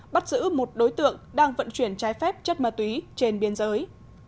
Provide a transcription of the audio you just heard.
bắt giữ một đối tượng đang vận chuyển trái phép chất ma túy trên biên giới